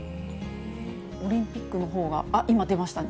オリンピックのほうは、あっ、今、出ましたね。